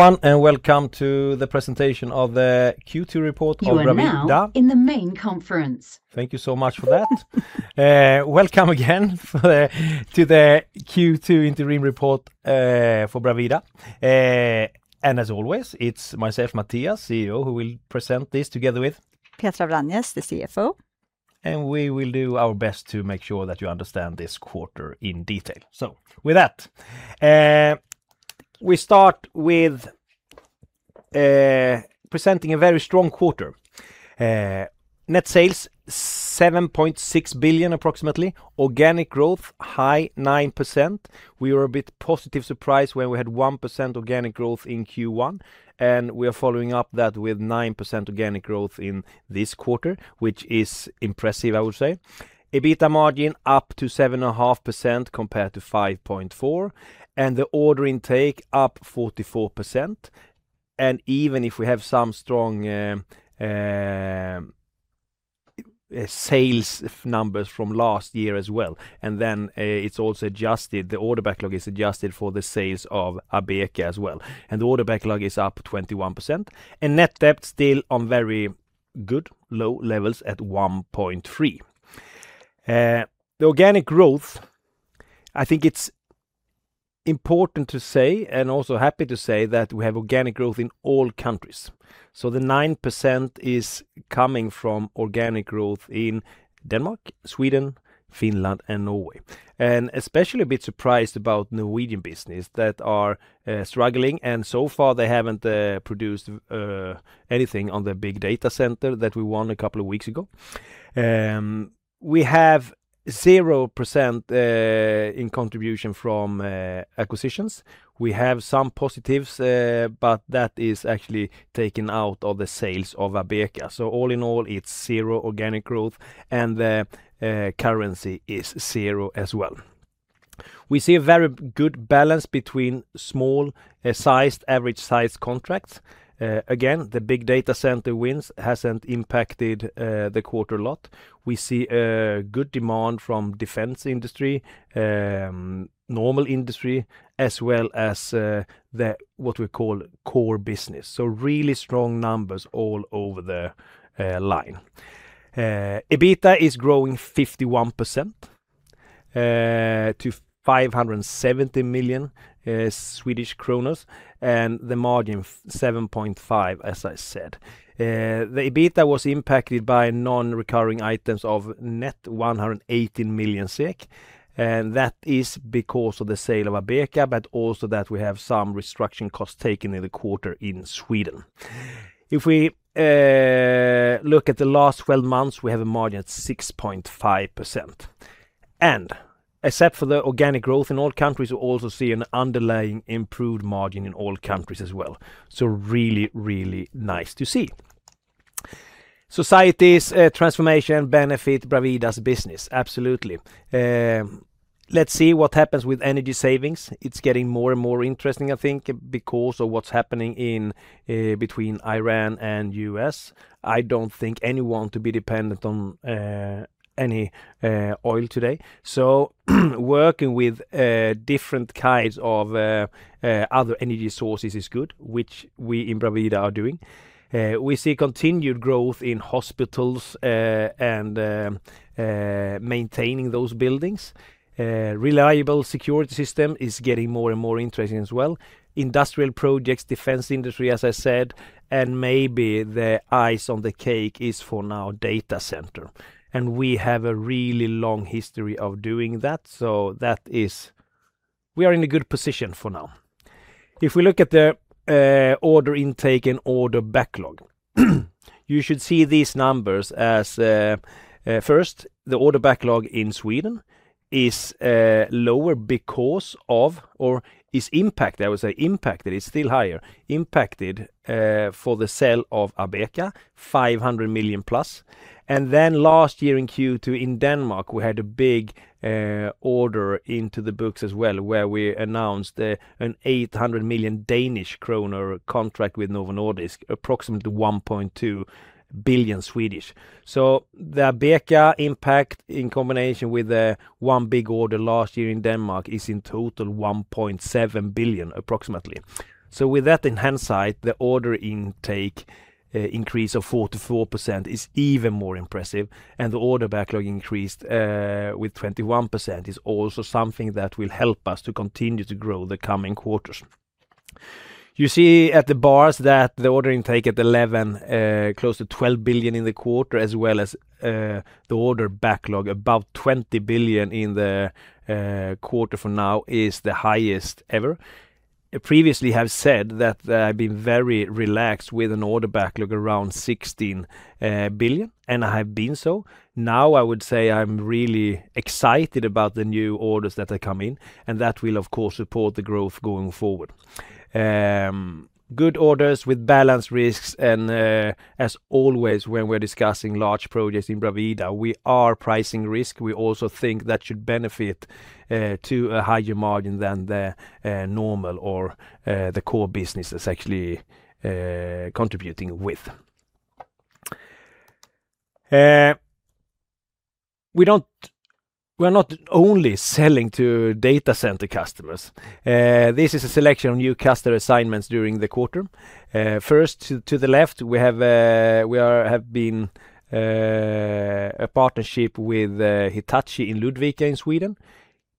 Welcome to the presentation of the Q2 report of Bravida. You are now in the main conference. Thank you so much for that. Welcome again to the Q2 interim report for Bravida. As always, it's myself, Mattias, CEO, who will present this together with- Petra Vranjes, the CFO. We will do our best to make sure that you understand this quarter in detail. With that, we start with presenting a very strong quarter. Net sales 7.6 billion, approximately. Organic growth, high 9%. We were a bit positive surprised when we had 1% organic growth in Q1, and we are following up that with 9% organic growth in this quarter, which is impressive, I would say. EBITDA margin up to 7.5% compared to 5.4%. The order intake up 44%. Even if we have some strong sales numbers from last year as well, then the order backlog is adjusted for the sales of ABEKA as well. The order backlog is up 21%. Net debt still on very good low levels at 1.3x. The organic growth, I think it's important to say, and also happy to say, that we have organic growth in all countries. The 9% is coming from organic growth in Denmark, Sweden, Finland, and Norway. Especially a bit surprised about Norwegian business that are struggling, and so far, they haven't produced anything on the big data center that we won a couple of weeks ago. We have 0% in contribution from acquisitions. We have some positives, but that is actually taken out of the sales of ABEKA. All in all, it's zero organic growth and the currency is zero as well. We see a very good balance between small-sized, average-sized contracts. Again, the big data center wins hasn't impacted the quarter a lot. We see a good demand from defense industry, normal industry, as well as what we call core business. Really strong numbers all over the line. EBITDA is growing 51% to 570 million, and the margin 7.5%, as I said. The EBITDA was impacted by non-recurring items of net 118 million SEK, and that is because of the sale of ABEKA, but also that we have some restructuring costs taken in the quarter in Sweden. If we look at the last 12 months, we have a margin at 6.5%. Except for the organic growth in all countries, we also see an underlying improved margin in all countries as well, so really, really nice to see. Society's transformation benefit Bravida's business. Absolutely. Let's see what happens with energy savings. It's getting more and more interesting, I think because of what's happening between Iran and the U.S. I don't think anyone to be dependent on any oil today. Working with different kinds of other energy sources is good, which we in Bravida are doing. We see continued growth in hospitals and maintaining those buildings. Reliable security system is getting more and more interesting as well. Industrial projects, defense industry, as I said, and maybe the ice on the cake is for now data center. We have a really long history of doing that. We are in a good position for now. If we look at the order intake and order backlog, you should see these numbers as, first, the order backlog in Sweden is lower because of or is impacted, I would say. It's still higher. Impacted for the sale of ABEKA, 500+ million. Last year in Q2 in Denmark, we had a big order into the books as well, where we announced a 800 million Danish kroner contract with Novo Nordisk, approximately 1.2 billion. The ABEKA impact, in combination with the one big order last year in Denmark, is in total 1.7 billion, approximately. With that in hindsight, the order intake increase of 44% is even more impressive, and the order backlog increased with 21% is also something that will help us to continue to grow the coming quarters. You see at the bars that the order intake at 11 billion, close to 12 billion in the quarter, as well as the order backlog, about 20 billion in the quarter for now is the highest ever. Previously, I have said that I've been very relaxed with an order backlog around 16 billion, and I have been so. Now I would say I'm really excited about the new orders that are coming, that will, of course, support the growth going forward. Good orders with balanced risks. As always, when we're discussing large projects in Bravida, we are pricing risk. We also think that should benefit to a higher margin than the normal or the core business is actually contributing with. We're not only selling to data center customers. This is a selection of new customer assignments during the quarter. First, to the left, we have been a partnership with Hitachi in Ludvika in Sweden,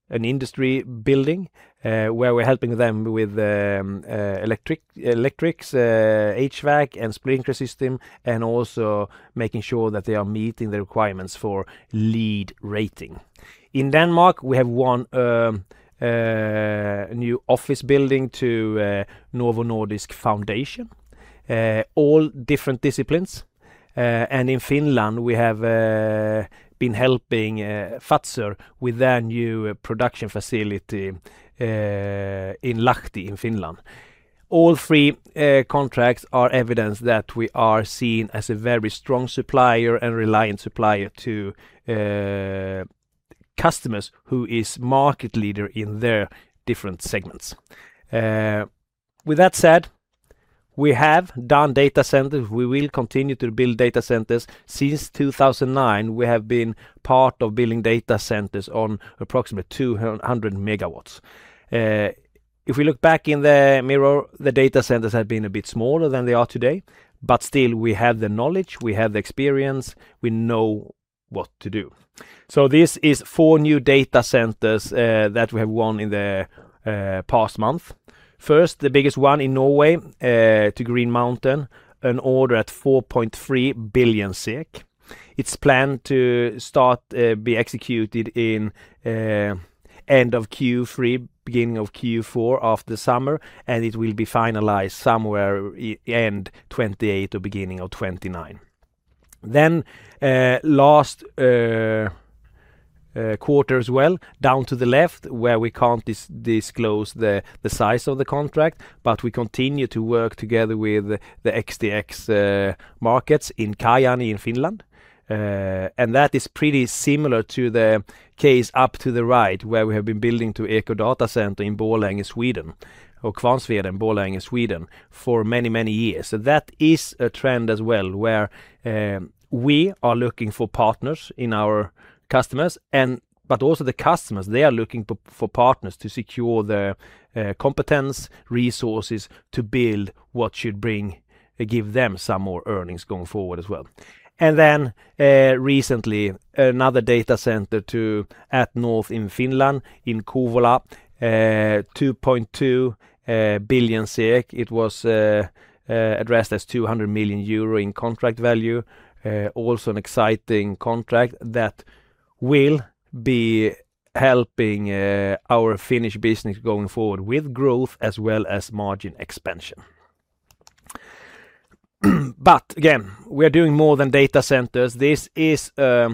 an industry building, where we're helping them with electrics, HVAC, and sprinkler system, and also making sure that they are meeting the requirements for LEED rating. In Denmark, we have won a new office building to Novo Nordisk Foundation, all different disciplines. In Finland, we have been helping Fazer with their new production facility in Lahti in Finland. All three contracts are evidence that we are seen as a very strong supplier and reliant supplier to customers who is market leader in their different segments. With that said, we have done data centers. We will continue to build data centers. Since 2009, we have been part of building data centers on approximately 200 MW. If we look back in the mirror, the data centers have been a bit smaller than they are today, but still, we have the knowledge, we have the experience, we know what to do. This is four new data centers that we have won in the past month. First, the biggest one in Norway, to Green Mountain, an order at 4.3 billion SEK. Its plan to start be executed in end of Q3, beginning of Q4, after summer, and it will be finalized somewhere end 2028 or beginning of 2029. Last quarter as well, down to the left, where we can't disclose the size of the contract, but we continue to work together with the XTX Markets in Kajaani in Finland. That is pretty similar to the case up to the right, where we have been building to EcoDataCenter in Borlänge, Sweden, or Kvarnsveden, Borlänge, Sweden for many years. That is a trend as well, where we are looking for partners in our customers, but also the customers, they are looking for partners to secure the competence, resources to build what should give them some more earnings going forward as well. Recently, another data center at north in Finland, in Kouvola, 2.2 billion SEK. It was addressed as 200 million euro in contract value. Also an exciting contract that will be helping our Finnish business going forward with growth as well as margin expansion. Again, we are doing more than data centers. This is a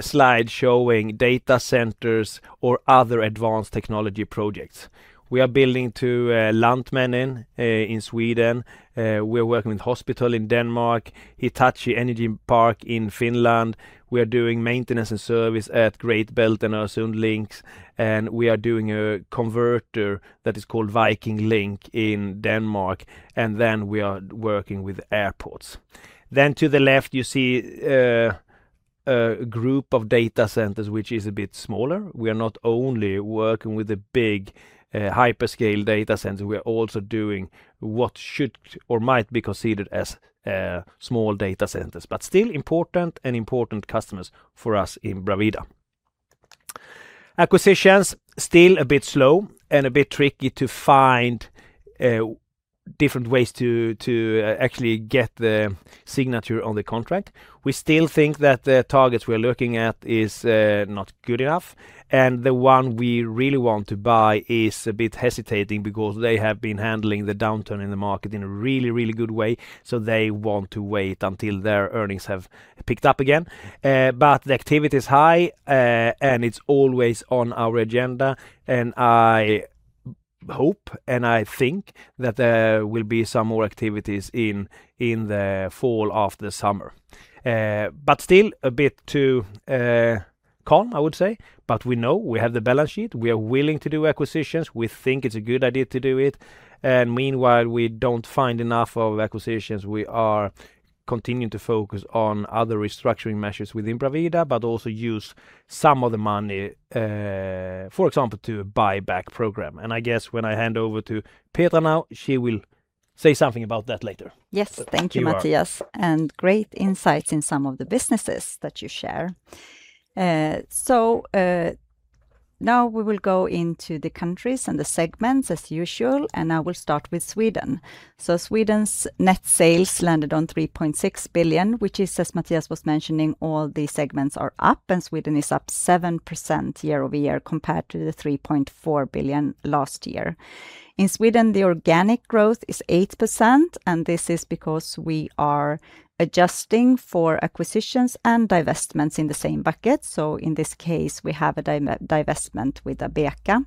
slide showing data centers or other advanced technology projects. We are building to Lantmännen in Sweden. We're working with hospital in Denmark, Hitachi Energy Park in Finland. We are doing maintenance and service at Great Belt and Øresund Link. We are doing a converter that is called Viking Link in Denmark. We are working with airports. To the left, you see a group of data centers, which is a bit smaller. We are not only working with the big hyperscale data centers, we are also doing what should or might be considered as small data centers, still important and important customers for us in Bravida. Acquisitions, still a bit slow and a bit tricky to find different ways to actually get the signature on the contract. We still think that the targets we're looking at is not good enough, and the one we really want to buy is a bit hesitating because they have been handling the downturn in the market in a really good way. They want to wait until their earnings have picked up again. The activity is high, and it's always on our agenda, and I hope, and I think that there will be some more activities in the fall after the summer. Still a bit too calm, I would say. We know, we have the balance sheet. We are willing to do acquisitions. We think it's a good idea to do it. Meanwhile, we don't find enough of acquisitions. We are continuing to focus on other restructuring measures within Bravida. Also use some of the money, for example, to buyback program. I guess when I hand over to Petra now, she will say something about that later. Yes. Thank you, Mattias. Great insights in some of the businesses that you share. Now we will go into the countries and the segments as usual. I will start with Sweden. Sweden's net sales landed on 3.6 billion, which is, as Mattias was mentioning, all the segments are up, and Sweden is up 7% year-over-year compared to the 3.4 billion last year. In Sweden, the organic growth is 8%. This is because we are adjusting for acquisitions and divestments in the same bucket. In this case, we have a divestment with ABEKA.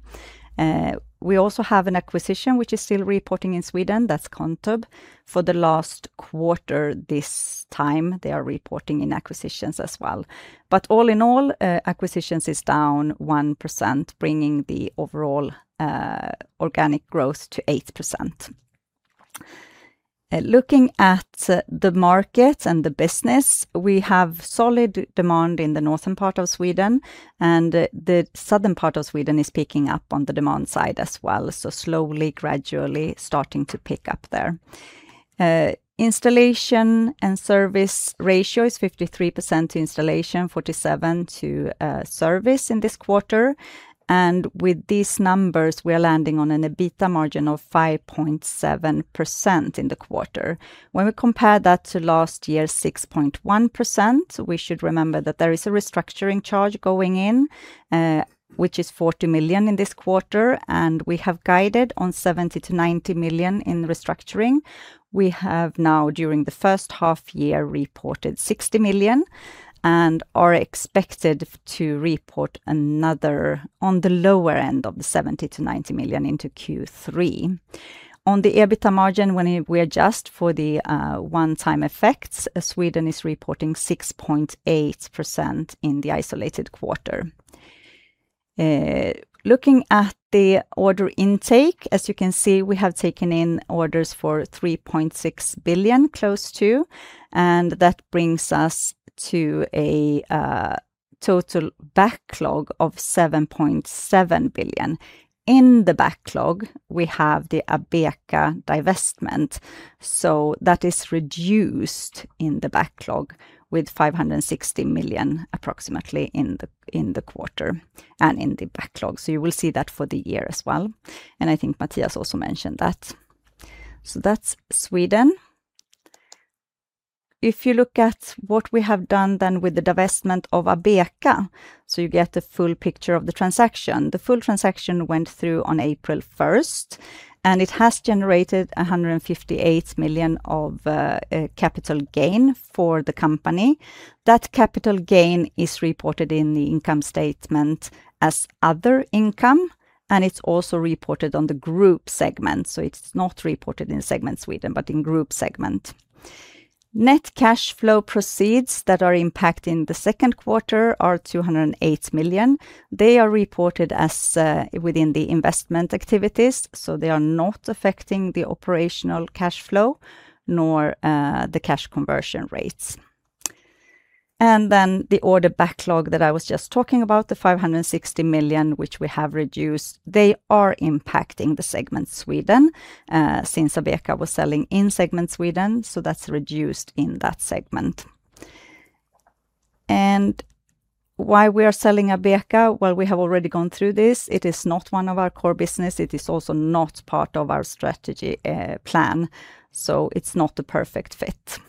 We also have an acquisition, which is still reporting in Sweden. That's Contub. For the last quarter, this time, they are reporting in acquisitions as well. All in all, acquisitions is down 1%, bringing the overall organic growth to 8%. Looking at the market and the business, we have solid demand in the northern part of Sweden, and the southern part of Sweden is picking up on the demand side as well. Slowly, gradually starting to pick up there. Installation and service ratio is 53% to installation, 47% to service in this quarter. With these numbers, we are landing on an EBITDA margin of 5.7% in the quarter. When we compare that to last year's 6.1%, we should remember that there is a restructuring charge going in, which is 40 million in this quarter, and we have guided on 70 million-90 million in restructuring. We have now, during the first half-year, reported 60 million and are expected to report another on the lower end of the 70 million-90 million into Q3. On the EBITDA margin, when we adjust for the one-time effects, Sweden is reporting 6.8% in the isolated quarter. Looking at the order intake, as you can see, we have taken in orders for 3.6 billion, close to, and that brings us to a total backlog of 7.7 billion. In the backlog, we have the ABEKA divestment, so that is reduced in the backlog with approximately 560 million in the quarter and in the backlog. You will see that for the year as well, and I think Mattias also mentioned that. That is Sweden. If you look at what we have done then with the divestment of ABEKA, so you get the full picture of the transaction. The full transaction went through on April 1st, and it has generated 158 million of capital gain for the company. That capital gain is reported in the income statement as other income, and it is also reported on the group segment. So it is not reported in segment Sweden, but in group segment. Net cash flow proceeds that are impacting the second quarter are 208 million. They are reported within the investment activities, so they are not affecting the operational cash flow, nor the cash conversion rates. The order backlog that I was just talking about, the 560 million, which we have reduced, they are impacting the segment Sweden, since ABEKA was selling in segment Sweden, so that is reduced in that segment. Why we are selling ABEKA, well, we have already gone through this. It is not one of our core business. It is also not part of our strategy plan, so it is not the perfect fit.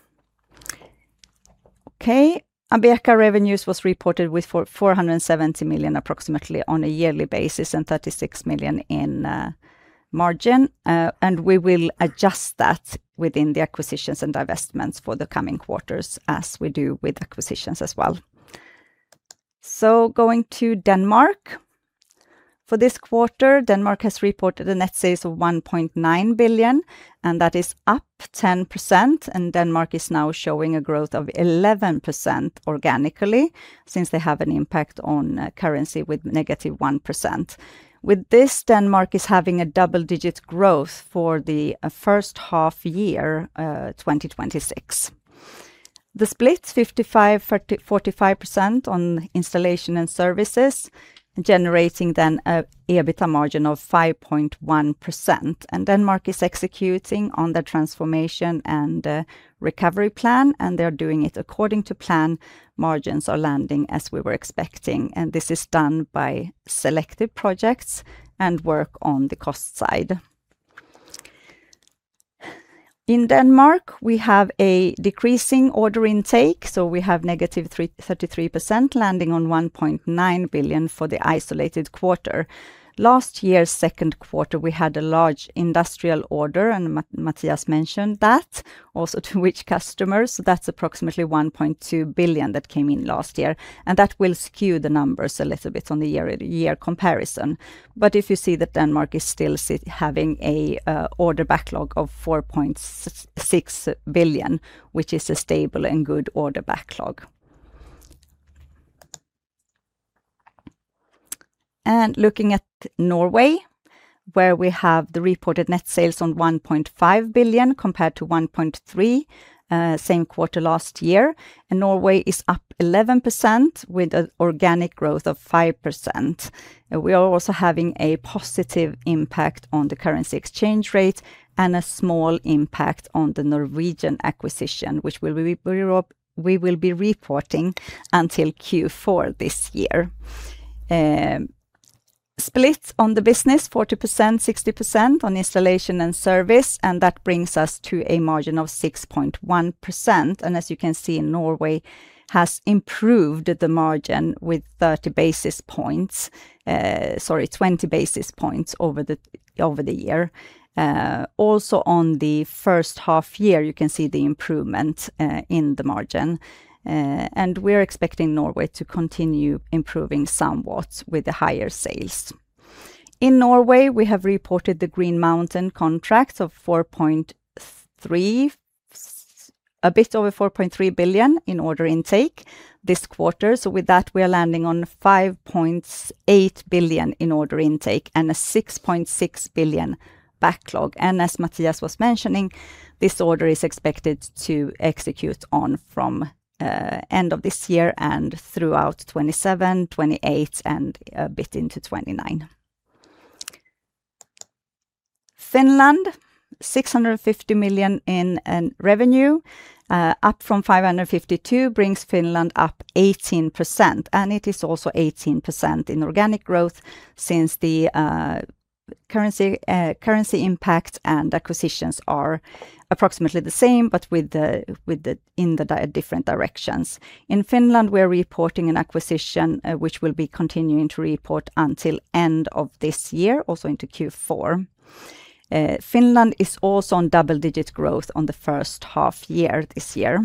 Okay. ABEKA revenues were reported with approximately 470 million on a yearly basis and 36 million in margin. We will adjust that within the acquisitions and divestments for the coming quarters as we do with acquisitions as well. Going to Denmark. For this quarter, Denmark has reported net sales of 1.9 billion, and that is up 10%, and Denmark is now showing a growth of 11% organically since they have an impact on currency with -1%. With this, Denmark is having a double-digit growth for the first half-year, 2026. The split is 55%/45% on installation and services, generating an EBITDA margin of 5.1%. Denmark is executing on the transformation and recovery plan, and they are doing it according to plan. Margins are landing as we were expecting, and this is done by selective projects and work on the cost side. In Denmark, we have a decreasing order intake. We have -33% landing on 1.9 billion for the isolated quarter. Last year's second quarter, we had a large industrial order, and Mattias mentioned that also to which customers, that is approximately 1.2 billion that came in last year, and that will skew the numbers a little bit on the year-over-year comparison. If you see that Denmark is still having an order backlog of 4.6 billion, which is a stable and good order backlog. Looking at Norway, where we have the reported net sales of 1.5 billion compared to 1.3 billion same quarter last year. Norway is up 11% with an organic growth of 5%. We are also having a positive impact on the currency exchange rate. A small impact on the Norwegian acquisition, which we will be reporting until Q4 this year. Splits on the business, 40%/60% on installation and service. That brings us to a margin of 6.1%. As you can see, Norway has improved the margin with 30 basis points, sorry, 20 basis points over the year. Also on the first half year, you can see the improvement in the margin. We are expecting Norway to continue improving somewhat with the higher sales. In Norway, we have reported the Green Mountain contracts of 4.3 billion. A bit over 4.3 billion in order intake this quarter. With that, we are landing on 5.8 billion in order intake and a 6.6 billion backlog. As Mattias was mentioning, this order is expected to execute on from end of this year and throughout 2027, 2028, and a bit into 2029. Finland, 650 million in revenue, up from 552 million, brings Finland up 18%. It is also 18% in organic growth since the currency impact and acquisitions are approximately the same, but in the different directions. In Finland, we are reporting an acquisition, which we will be continuing to report until end of this year, also into Q4. Finland is also on double-digit growth on the first half year this year.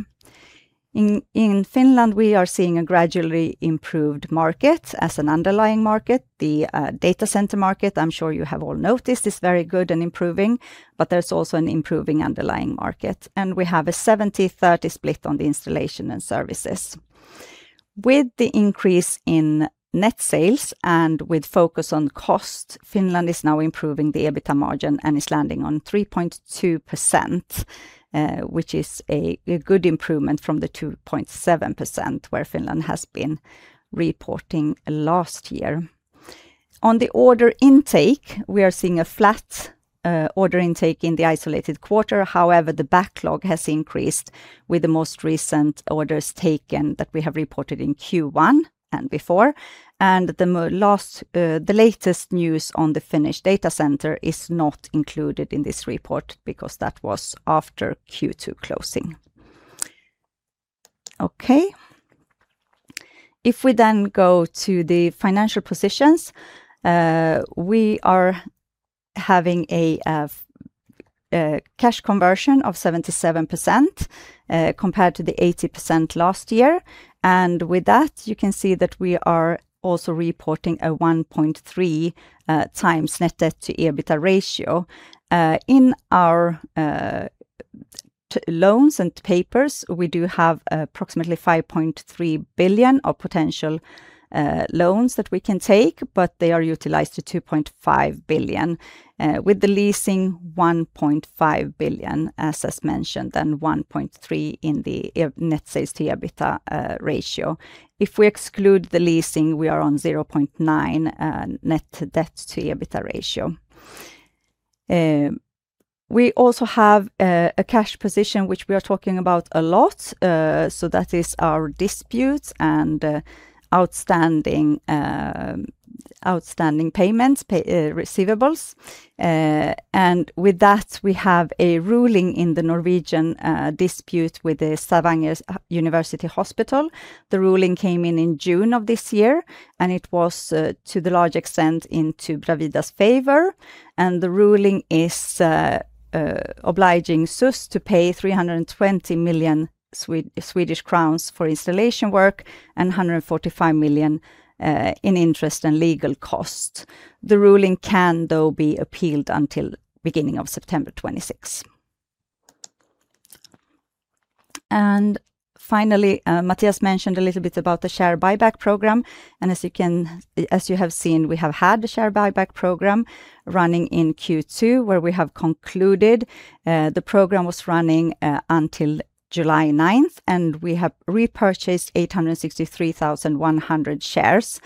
In Finland, we are seeing a gradually improved market as an underlying market. The data center market, I am sure you have all noticed, is very good and improving, but there is also an improving underlying market. We have a 70%/30% split on the installation and services. With the increase in net sales and with focus on cost, Finland is now improving the EBITDA margin and is landing on 3.2%, which is a good improvement from the 2.7% where Finland has been reporting last year. On the order intake, we are seeing a flat order intake in the isolated quarter. However, the backlog has increased with the most recent orders taken that we have reported in Q1 and before. The latest news on the Finnish data center is not included in this report because that was after Q2 closing. If we go to the financial positions, we are having a cash conversion of 77%, compared to the 80% last year. With that, you can see that we are also reporting a 1.3x net debt to EBITDA ratio. In our loans and papers, we do have approximately 5.3 billion of potential loans that we can take, but they are utilized to 2.5 billion. With the leasing, 1.5 billion, as mentioned, and 1.3x in the net sales to EBITDA ratio. If we exclude the leasing, we are on 0.9x net debt to EBITDA ratio. We also have a cash position which we are talking about a lot. That is our disputes and outstanding payments, receivables. With that, we have a ruling in the Norwegian dispute with the Stavanger University Hospital. The ruling came in in June of this year, and it was to the large extent into Bravida's favor. The ruling is obliging SUS to pay 320 million Swedish crowns for installation work and 145 million in interest and legal costs. The ruling can, though, be appealed until beginning of September 2026. Finally, Mattias mentioned a little bit about the share buyback program. As you have seen, we have had the share buyback program running in Q2, where we have concluded. The program was running until July 9th, and we have repurchased 863,100 shares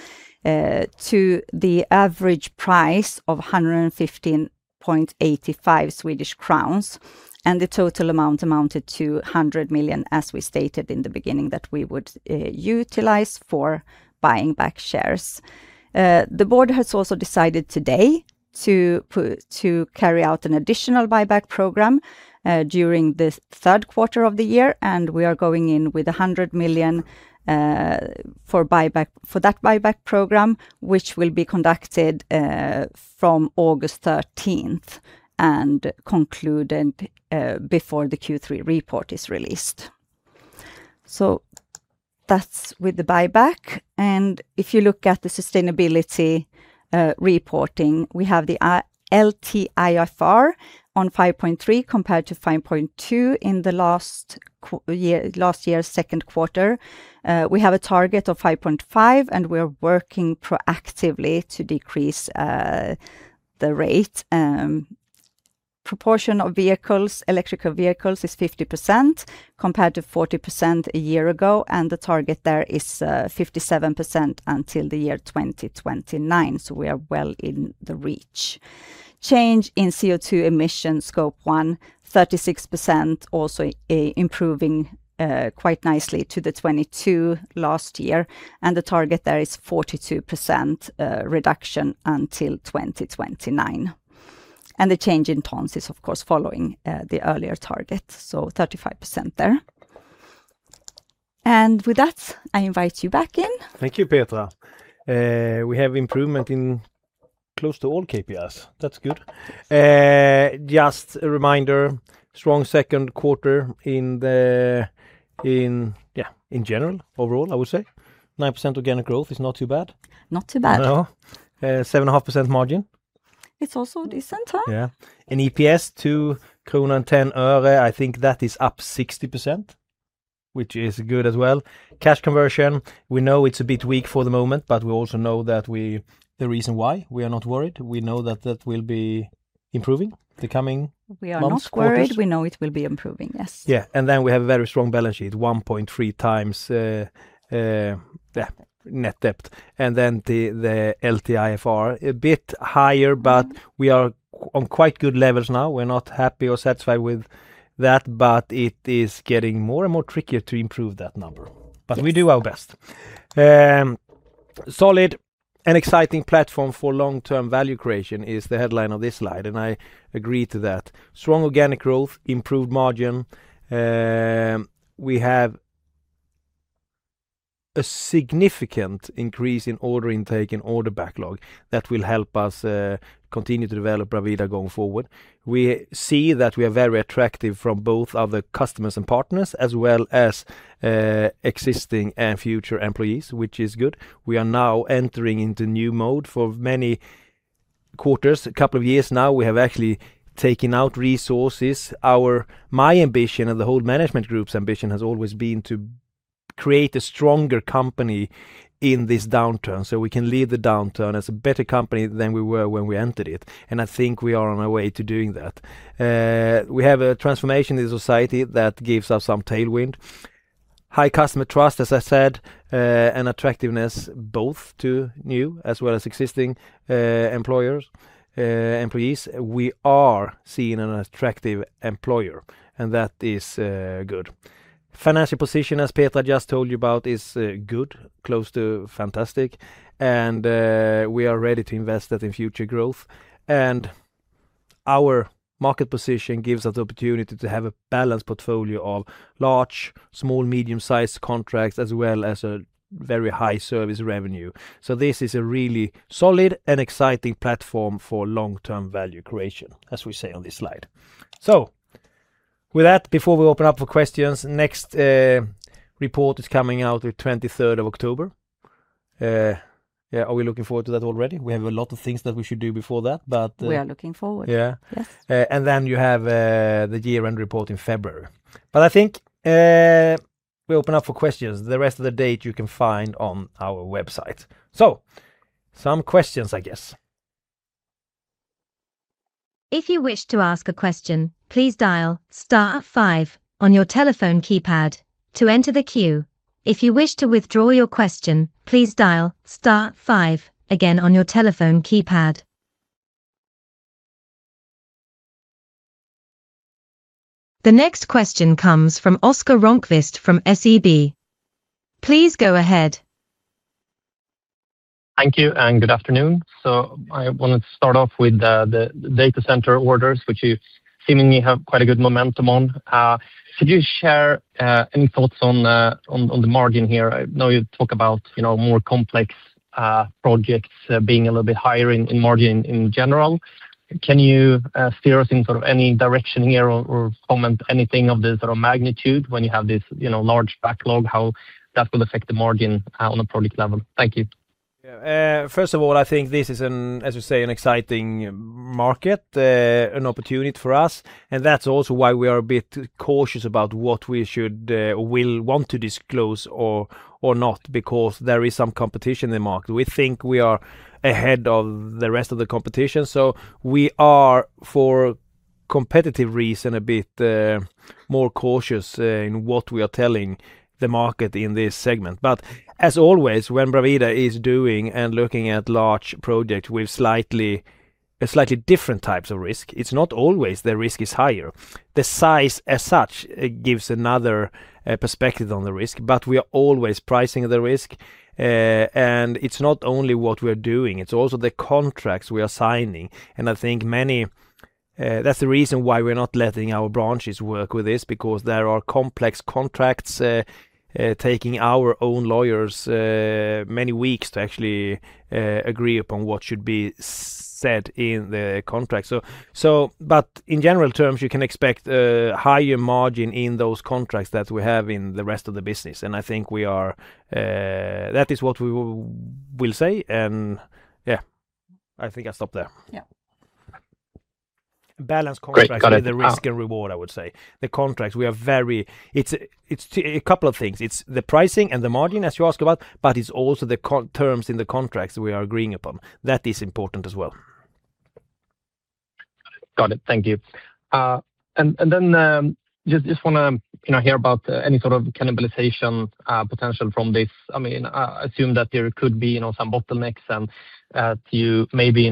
to the average price of 115.85 Swedish crowns, and the total amount amounted to 100 million, as we stated in the beginning, that we would utilize for buying back shares. The board has also decided today to carry out an additional buyback program during the third quarter of the year, and we are going in with 100 million for that buyback program, which will be conducted from August 13th and concluded before the Q3 report is released. That's with the buyback. If you look at the sustainability reporting, we have the LTIFR on 5.3 compared to 5.2 in the last year's second quarter. We have a target of 5.5, and we are working proactively to decrease the rate. Proportion of electrical vehicles is 50% compared to 40% a year ago, and the target there is 57% until the year 2029. So we are well in the reach. Change in CO2 emission scope one, 36%, also improving quite nicely to the 22% last year. The target there is 42% reduction until 2029. The change in tons is, of course, following the earlier target, so 35% there. With that, I invite you back in. Thank you, Petra. We have improvement in close to all KPIs. That's good. Just a reminder, strong second quarter in general, overall, I would say. 9% organic growth is not too bad. Not too bad. No. 7.5% margin. It's also decent. Yeah. EPS 2.10, I think that is up 60%, which is good as well. Cash conversion, we know it's a bit weak for the moment, but we also know that the reason why, we are not worried, we know that that will be improving the coming months, quarters. We are not worried. We know it will be improving. Yes. Yeah. We have a very strong balance sheet, 1.3x net debt, the LTIFR, a bit higher, but we are on quite good levels now. We're not happy or satisfied with that, but it is getting more and more tricky to improve that number. We do our best. Solid and exciting platform for long-term value creation is the headline of this slide, and I agree to that. Strong organic growth, improved margin. We have a significant increase in order intake and order backlog that will help us continue to develop Bravida going forward. We see that we are very attractive from both other customers and partners, as well as existing and future employees, which is good. We are now entering into a new mode. For many quarters, a couple of years now, we have actually taken out resources. My ambition and the whole management group's ambition has always been to create a stronger company in this downturn, so we can leave the downturn as a better company than we were when we entered it, and I think we are on our way to doing that. We have a transformation in society that gives us some tailwind. High customer trust, as I said, and attractiveness both to new as well as existing employees. We are seen as an attractive employer, and that is good. Financial position, as Petra just told you about, is good, close to fantastic, and we are ready to invest that in future growth. Our market position gives us the opportunity to have a balanced portfolio of large, small, medium-sized contracts, as well as a very high service revenue. This is a really solid and exciting platform for long-term value creation, as we say on this slide. With that, before we open up for questions, next report is coming out the 23rd of October. Are we looking forward to that already? We have a lot of things that we should do before that. We are looking forward. Yeah. Yes. You have the year-end report in February. I think we'll open up for questions. The rest of the data you can find on our website. Some questions I guess. If you wish to ask a question, please dial star five on your telephone keypad to enter the queue. If you wish to withdraw your question, please dial star five again on your telephone keypad. The next question comes from Oscar Rönnkvist from SEB. Please go ahead. Thank you and good afternoon. I wanted to start off with the data center orders, which you seemingly have quite a good momentum on. Could you share any thoughts on the margin here? I know you talk about more complex projects being a little bit higher in margin in general. Can you steer us in any direction here or comment anything of the sort of magnitude when you have this large backlog, how that will affect the margin on a product level? Thank you. First of all, I think this is, as you say, an exciting market, an opportunity for us. That is also why we are a bit cautious about what we will want to disclose or not, because there is some competition in the market. We think we are ahead of the rest of the competition. We are, for competitive reason, a bit more cautious in what we are telling the market in this segment. As always, when Bravida is doing and looking at large projects with slightly different types of risk, it is not always the risk is higher. The size as such gives another perspective on the risk, but we are always pricing the risk, and it is not only what we are doing, it is also the contracts we are signing. I think that is the reason why we are not letting our branches work with this, because there are complex contracts, taking our own lawyers many weeks to actually agree upon what should be said in the contract. In general terms, you can expect a higher margin in those contracts that we have in the rest of the business, and I think that is what we will say. I think I stop there. Yeah. Balanced contracts. Great. Got it. With the risk and reward, I would say. The contracts, it's a couple of things. It's the pricing and the margin as you ask about, but it's also the terms in the contracts we are agreeing upon. That is important as well. Got it. Thank you. Just want to hear about any sort of cannibalization potential from this. I assume that there could be some bottlenecks, and that you may be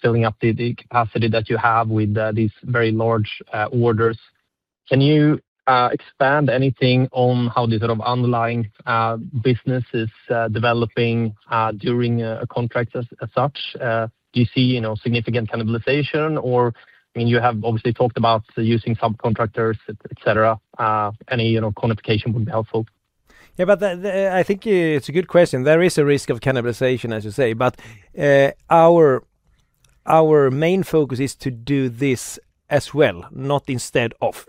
filling up the capacity that you have with these very large orders. Can you expand anything on how the sort of underlying business is developing during a contract as such? Do you see significant cannibalization, you have obviously talked about using subcontractors, et cetera. Any quantification would be helpful. I think it's a good question. There is a risk of cannibalization, as you say, Our main focus is to do this as well, not instead of.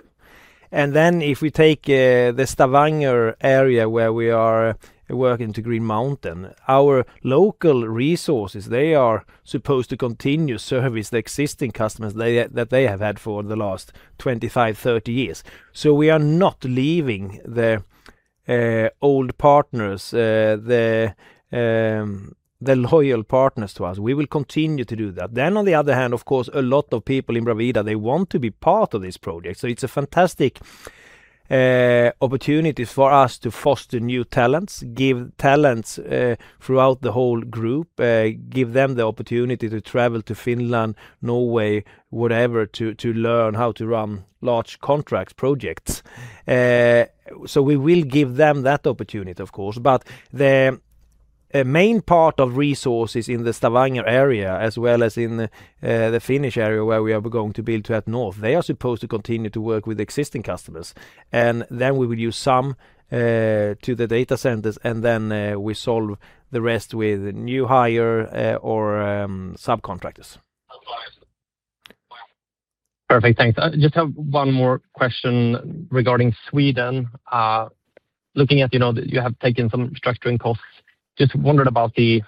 If we take the Stavanger area where we are working to Green Mountain, our local resources, they are supposed to continue service the existing customers that they have had for the last 25, 30 years. We are not leaving the old partners, the loyal partners to us. We will continue to do that. On the other hand, of course, a lot of people in Bravida, they want to be part of this project. It's a fantastic opportunity for us to foster new talents, give talents throughout the whole group, give them the opportunity to travel to Finland, Norway, wherever, to learn how to run large contract projects. We will give them that opportunity, of course. The main part of resources in the Stavanger area, as well as in the Finnish area where we are going to build toward north, they are supposed to continue to work with existing customers. We will use some to the data centers, we solve the rest with new hire or subcontractors. Perfect. Thanks. I just have one more question regarding Sweden. Looking at that you have taken some restructuring costs. Just wondered about the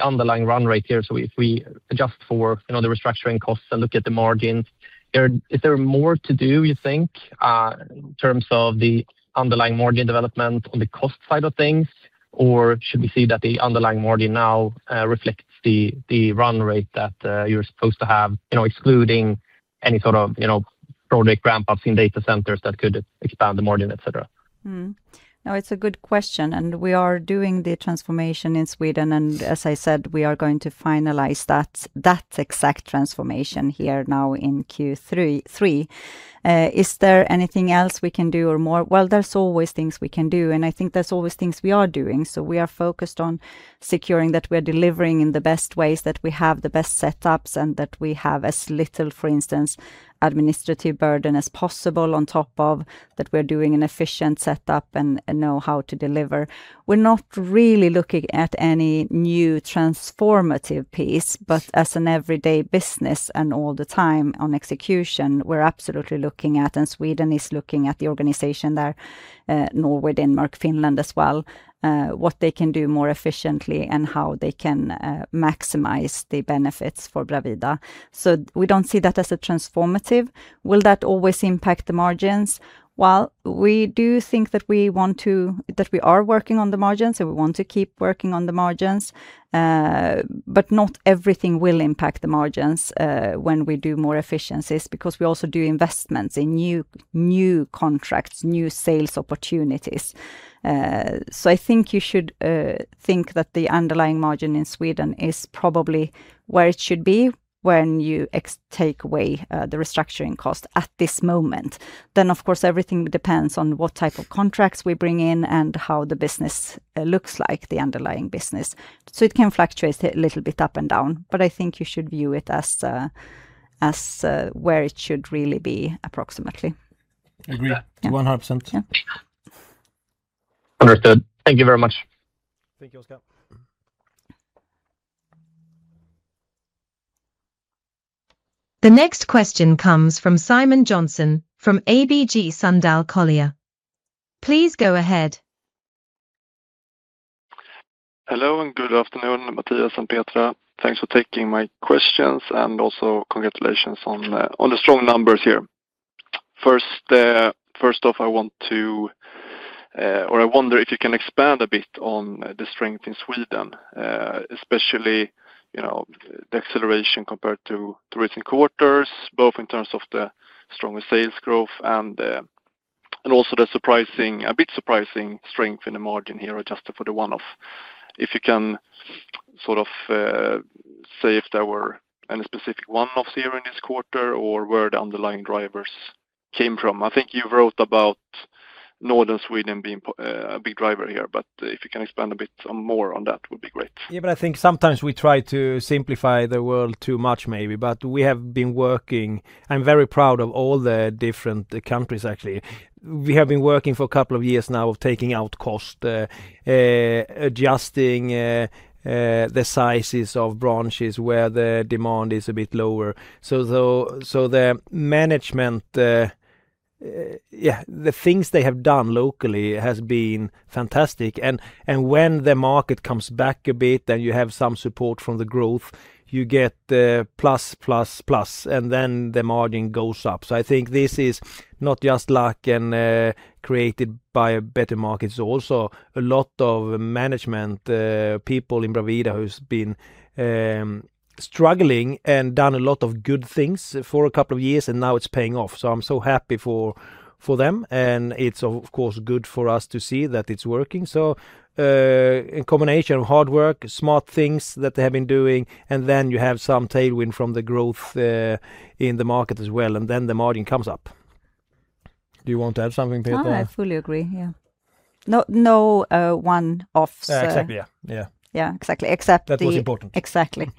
underlying run rate here. If we adjust for the restructuring costs and look at the margins, is there more to do, you think, in terms of the underlying margin development on the cost side of things, or should we see that the underlying margin now reflects the run rate that you're supposed to have excluding any sort of project ramp-ups in data centers that could expand the margin, et cetera? No, it's a good question. We are doing the transformation in Sweden, as I said, we are going to finalize that exact transformation here now in Q3. Is there anything else we can do or more? Well, there's always things we can do. I think there's always things we are doing. We are focused on securing that we are delivering in the best ways, that we have the best setups, and that we have as little, for instance, administrative burden as possible on top of that we're doing an efficient setup and know how to deliver. We're not really looking at any new transformative piece, but as an everyday business and all the time on execution, we're absolutely looking at. Sweden is looking at the organization there, Norway, Denmark, Finland as well, what they can do more efficiently and how they can maximize the benefits for Bravida. We don't see that as a transformative. Will that always impact the margins? Well, we do think that we are working on the margins. We want to keep working on the margins. Not everything will impact the margins when we do more efficiencies because we also do investments in new contracts, new sales opportunities. I think you should think that the underlying margin in Sweden is probably where it should be when you take away the restructuring cost at this moment. Of course, everything depends on what type of contracts we bring in and how the business looks like, the underlying business. It can fluctuate a little bit up and down, but I think you should view it as where it should really be approximately. Agree. 100%. Yeah. Understood. Thank you very much. Thank you, Oscar. The next question comes from Simon Jönsson from ABG Sundal Collier. Please go ahead. Hello, good afternoon, Mattias and Petra. Thanks for taking my questions, congratulations on the strong numbers here. First off, I wonder if you can expand a bit on the strength in Sweden, especially the acceleration compared to recent quarters, both in terms of the stronger sales growth and the surprising, a bit surprising strength in the margin here, adjusted for the one-off. If you can sort of say if there were any specific one-offs here in this quarter or where the underlying drivers came from. I think you wrote about Northern Sweden being a big driver here, if you can expand a bit more on that would be great. I think sometimes we try to simplify the world too much maybe. I'm very proud of all the different countries, actually. We have been working for a couple of years now of taking out cost, adjusting the sizes of branches where the demand is a bit lower. The management, the things they have done locally has been fantastic. When the market comes back a bit and you have some support from the growth, you get the plus, plus, plus and then the margin goes up. I think this is not just luck and created by a better market. It's also a lot of management people in Bravida who's been struggling and done a lot of good things for a couple of years, and now it's paying off. I'm so happy for them, and it's of course good for us to see that it's working. A combination of hard work, smart things that they have been doing, you have some tailwind from the growth in the market as well, the margin comes up. Do you want to add something, Petra? No, I fully agree. No one-offs. Exactly, yeah. Yeah, exactly. Except. That was important. Exactly.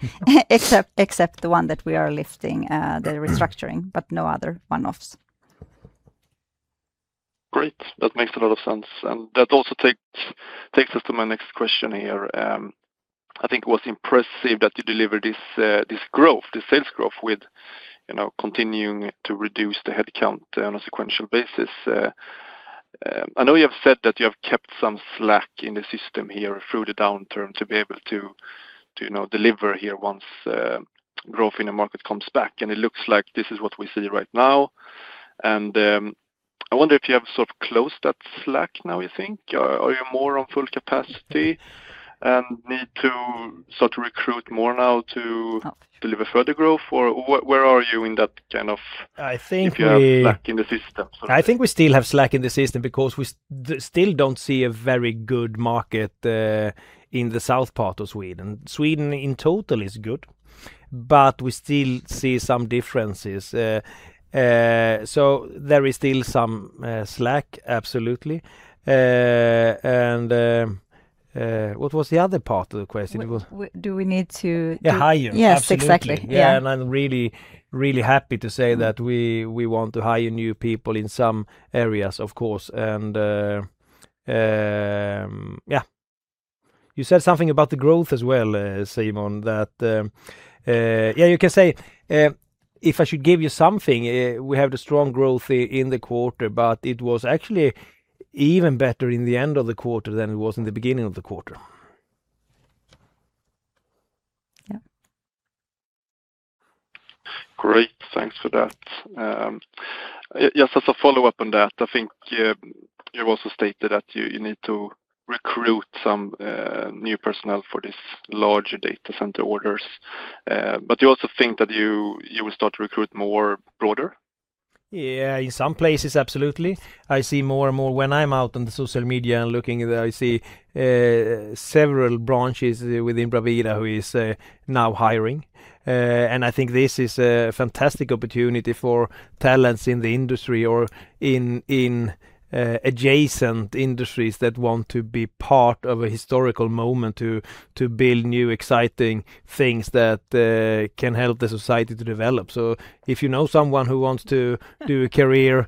Except the one that we are lifting, the restructuring, but no other one-offs. That makes a lot of sense. That also takes us to my next question here. I think it was impressive that you delivered this sales growth with continuing to reduce the head count on a sequential basis. I know you have said that you have kept some slack in the system here through the downturn to be able to deliver here once growth in the market comes back, and it looks like this is what we see right now. I wonder if you have sort of closed that slack now, you think? Are you more on full capacity and need to start to recruit more now to deliver further growth? Or where are you in that, if you have slack in the system? I think we still have slack in the system because we still don't see a very good market in the south part of Sweden. Sweden in total is good, but we still see some differences. There is still some slack, absolutely. What was the other part of the question? Do we need to do- Hire. Yes, exactly. Absolutely. Yes, I'm really happy to say that we want to hire new people in some areas, of course. You said something about the growth as well, Simon. You can say, if I should give you something, we have the strong growth in the quarter, but it was actually even better in the end of the quarter than it was in the beginning of the quarter. Yeah. Great. Thanks for that. Just as a follow-up on that, I think you also stated that you need to recruit some new personnel for these larger data center orders. You also think that you will start to recruit more broader? Yes, in some places, absolutely. I see more and more when I'm out on the social media and looking, I see several branches within Bravida who is now hiring. I think this is a fantastic opportunity for talents in the industry or in adjacent industries that want to be part of a historical moment to build new, exciting things that can help the society to develop. If you know someone who wants to do a career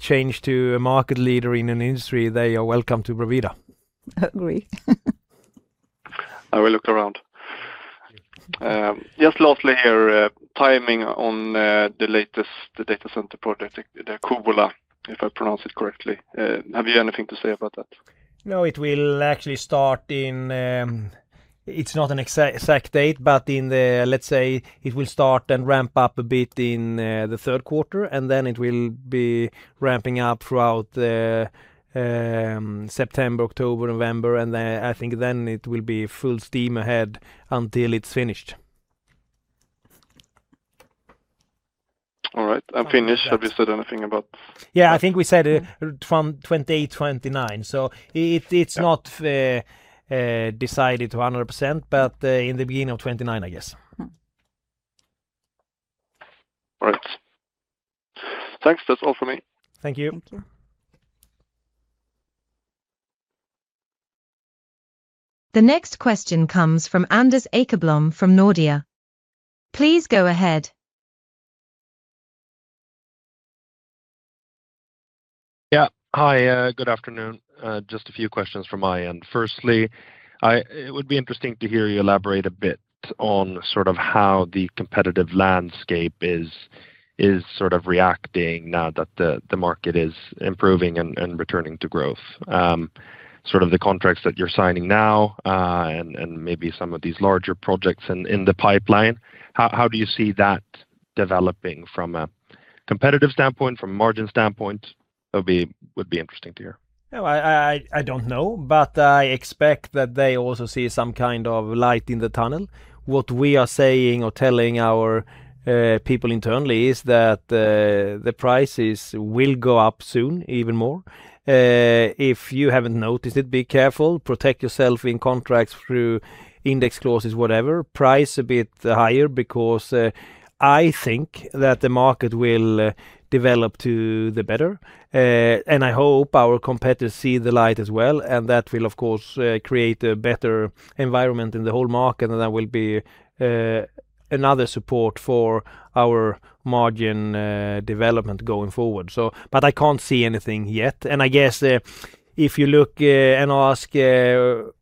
change to a market leader in an industry, they are welcome to Bravida. Agree. I will look around. Just lastly here, timing on the latest data center project, the Kouvola, if I pronounce it correctly. Have you anything to say about that? No, it will actually start in, it's not an exact date, but let's say it will start and ramp up a bit in the third quarter, and then it will be ramping up throughout September, October, November, and I think then it will be full steam ahead until it's finished. All right. Finish, have you said anything about that? Yeah, I think we said 2029. It's not decided to 100%, but in the beginning of 2029, I guess. All right. Thanks. That's all from me. Thank you. Thank you. The next question comes from Anders Åkerblom from Nordea. Please go ahead. Yeah. Hi, good afternoon. Just a few questions from my end. Firstly, it would be interesting to hear you elaborate a bit on sort of how the competitive landscape is sort of reacting now that the market is improving and returning to growth. The contracts that you're signing now, and maybe some of these larger projects in the pipeline, how do you see that developing from a competitive standpoint, from a margin standpoint? That would be interesting to hear. I don't know, but I expect that they also see some kind of light in the tunnel. What we are saying or telling our people internally is that the prices will go up soon even more. If you haven't noticed it, be careful, protect yourself in contracts through index clauses, whatever. Price a bit higher because I think that the market will develop to the better. I hope our competitors see the light as well, and that will, of course, create a better environment in the whole market, and that will be another support for our margin development going forward. I can't see anything yet. I guess if you look and ask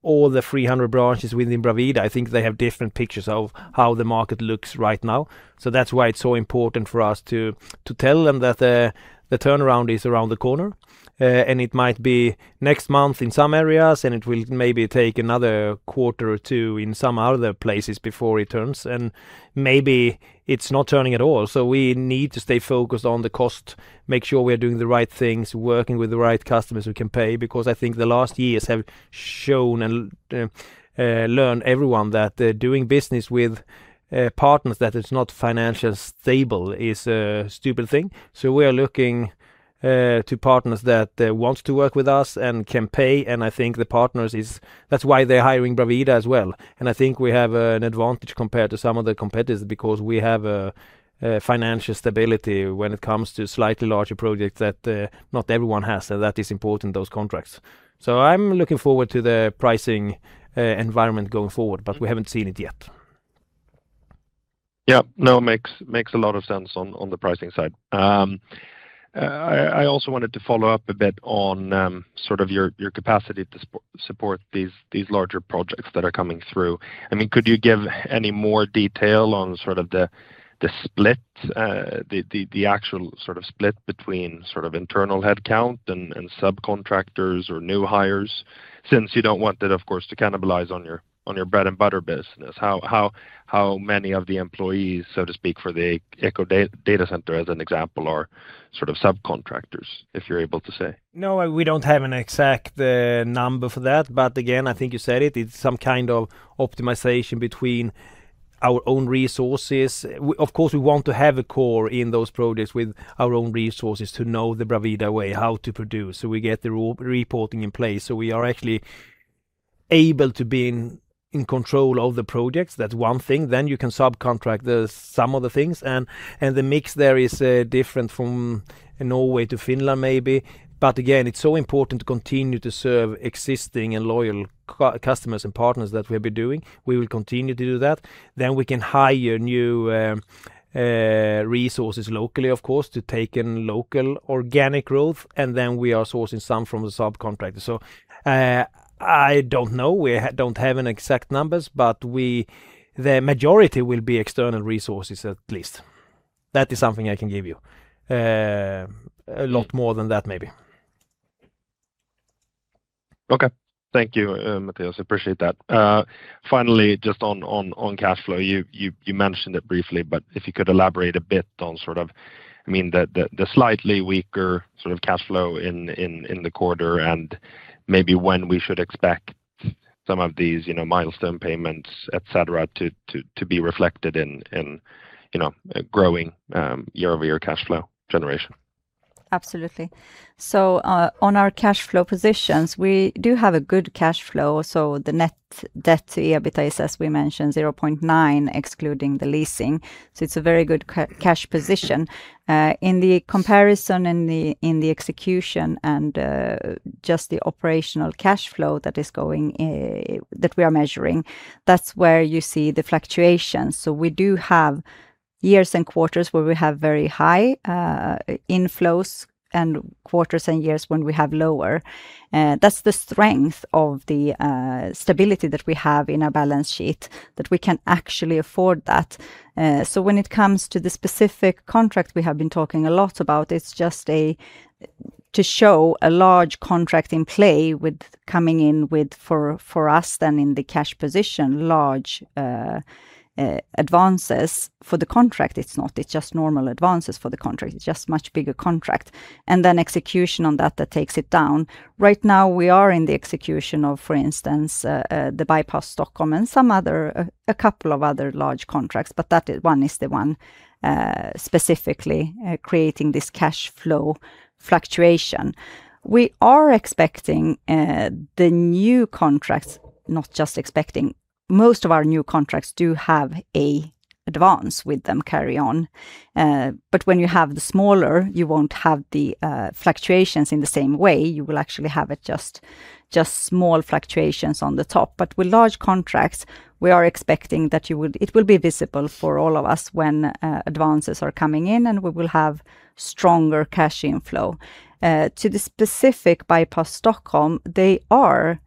all the 300 branches within Bravida, I think they have different pictures of how the market looks right now. That's why it's so important for us to tell them that the turnaround is around the corner, and it might be next month in some areas, and it will maybe take another quarter or two in some other places before it turns, and maybe it's not turning at all. We need to stay focused on the cost, make sure we're doing the right things, working with the right customers who can pay, because I think the last years have shown and learned everyone that doing business with partners that is not financially stable is a stupid thing. We are looking to partners that wants to work with us and can pay, and I think the partners, that's why they're hiring Bravida as well. I think we have an advantage compared to some of the competitors because we have a financial stability when it comes to slightly larger projects that not everyone has, so that is important, those contracts. I'm looking forward to the pricing environment going forward, but we haven't seen it yet. Yes. No, makes a lot of sense on the pricing side. I also wanted to follow up a bit on your capacity to support these larger projects that are coming through. Could you give any more detail on the actual split between internal headcount and subcontractors or new hires? Since you don't want that, of course, to cannibalize on your bread and butter business, how many of the employees, so to speak, for the EcoDataCenter, as an example, are subcontractors, if you're able to say? No, we don't have an exact number for that. Again, I think you said it's some kind of optimization between our own resources. Of course, we want to have a core in those projects with our own resources to know the Bravida way, how to produce, so we get the reporting in place, so we are actually able to be in control of the projects. That's one thing. You can subcontract some of the things, and the mix there is different from Norway to Finland, maybe. Again, it's so important to continue to serve existing and loyal customers and partners that we have been doing. We will continue to do that. We can hire new resources locally, of course, to take in local organic growth, and then we are sourcing some from the subcontractor. I don't know. We don't have an exact number, but the majority will be external resources at least. That is something I can give you. A lot more than that, maybe. Okay. Thank you, Mattias. I appreciate that. Finally, just on cash flow, you mentioned it briefly, but if you could elaborate a bit on the slightly weaker cash flow in the quarter and maybe when we should expect some of these milestone payments, et cetera, to be reflected in growing year-over-year cash flow generation. Absolutely. On our cash flow positions, we do have a good cash flow. The net debt to EBITDA is, as we mentioned, 0.9x, excluding the leasing. It's a very good cash position. In the comparison in the execution and just the operational cash flow that we are measuring, that's where you see the fluctuations. We do have years and quarters where we have very high inflows and quarters and years when we have lower. That's the strength of the stability that we have in our balance sheet, that we can actually afford that. When it comes to the specific contracts we have been talking a lot about, it's just to show a large contract in play with coming in with, for us then in the cash position, large advances for the contract. It's not, it's just normal advances for the contract. It's just much bigger contract. Execution on that takes it down. Right now, we are in the execution of, for instance, the Bypass Stockholm and a couple of other large contracts. That one is the one specifically creating this cash flow fluctuation. We are expecting the new contracts, not just expecting, most of our new contracts do have a advance with them carry on. When you have the smaller, you won't have the fluctuations in the same way. You will actually have just small fluctuations on the top. With large contracts, we are expecting that it will be visible for all of us when advances are coming in, and we will have stronger cash inflow. To the specific Bypass Stockholm, they are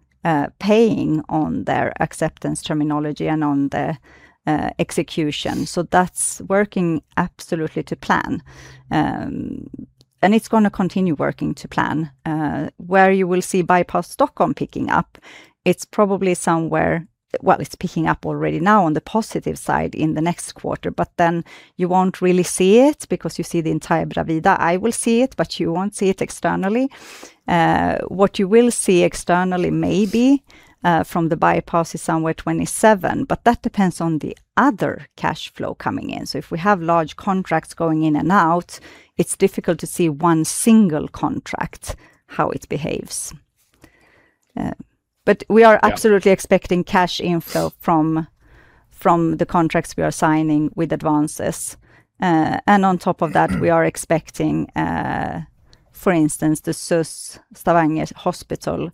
paying on their acceptance terminology and on the execution. That's working absolutely to plan, and it's going to continue working to plan. Where you will see Bypass Stockholm picking up? Well, it's picking up already now on the positive side in the next quarter, but then you won't really see it because you see the entire Bravida. I will see it, you won't see it externally. What you will see externally, maybe, from the bypass is somewhere 2027. That depends on the other cash flow coming in. If we have large contracts going in and out, it's difficult to see one single contract, how it behaves. We are absolutely expecting cash inflow from the contracts we are signing with advances. On top of that, we are expecting, for instance, the Stavanger Hospital,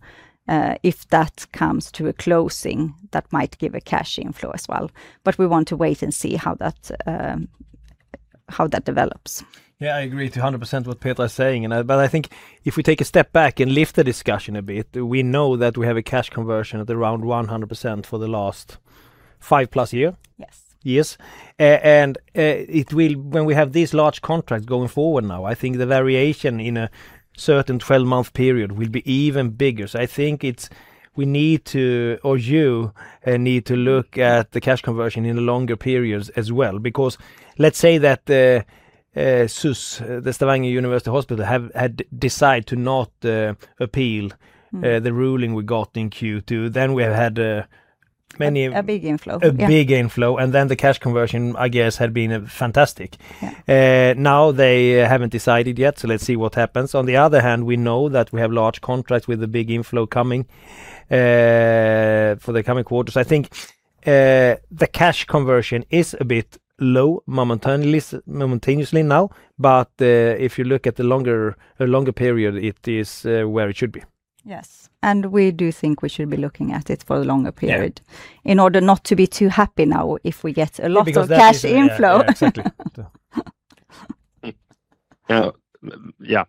if that comes to a closing, that might give a cash inflow as well. We want to wait and see how that develops. Yeah, I agree 200% what Petra is saying. I think if we take a step back and lift the discussion a bit, we know that we have a cash conversion at around 100% for the last five-plus years. Yes. Yes. When we have these large contracts going forward now, I think the variation in a certain 12-month period will be even bigger. I think you need to look at the cash conversion in longer periods as well. Because let's say that SUS, the Stavanger University Hospital, had decided to not appeal the ruling we got in Q2, then we have had many- A big inflow, yeah. A big inflow, then the cash conversion, I guess, had been fantastic. Yeah. Now they haven't decided yet. Let's see what happens. On the other hand, we know that we have large contracts with the big inflow coming for the coming quarters. I think the cash conversion is a bit low momentarily now, if you look at the longer period, it is where it should be. Yes. We do think we should be looking at it for a longer period in order not to be too happy now if we get a lot of cash inflow. Exactly. Yeah.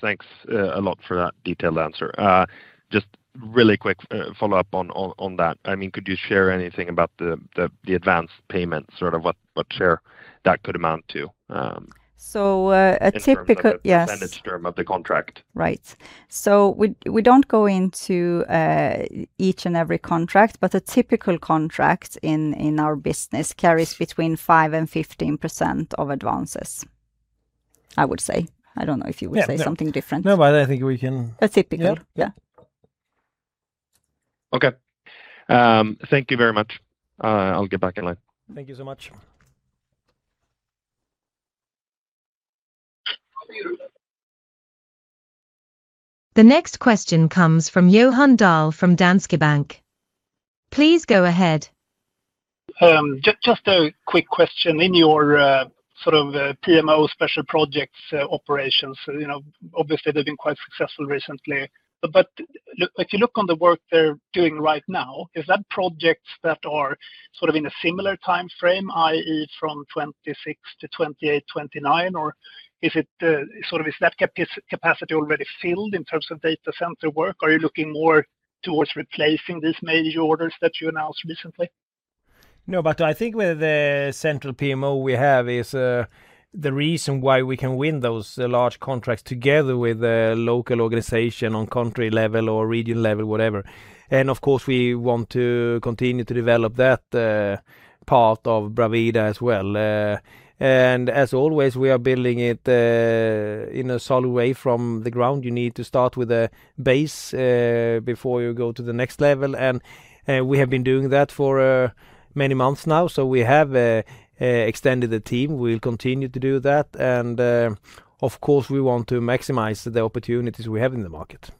Thanks a lot for that detailed answer. Just really quick follow-up on that. Could you share anything about the advance payment, what share that could amount to? Yes. Percentage term of the contract. Right. We don't go into each and every contract, but a typical contract in our business carries between 5% and 15% of advances, I would say. I don't know if you would say something different. No, but I think we can- A typical. Yeah. Okay. Thank you very much. I'll get back in line. Thank you so much. The next question comes from Johan Dahl from Danske Bank. Please go ahead. Just a quick question. In your PMO special projects operations, obviously they've been quite successful recently, but if you look on the work they're doing right now, is that projects that are in a similar timeframe, i.e., from 2026 to 2028, 2029? Or is that capacity already filled in terms of data center work? Are you looking more towards replacing these major orders that you announced recently? No but I think with the central PMO we have is the reason why we can win those large contracts together with the local organization on country level or region level, whatever. Of course, we want to continue to develop that part of Bravida as well. As always, we are building it in a solid way from the ground. You need to start with a base, before you go to the next level. We have been doing that for many months now. We have extended the team. We'll continue to do that. Of course, we want to maximize the opportunities we have in the market.